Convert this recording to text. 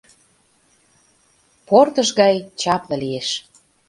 Портыш гай чапле лиеш.